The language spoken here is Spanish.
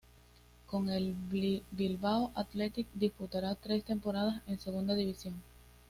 Con el Bilbao Athletic, disputará tres temporadas en Segunda División.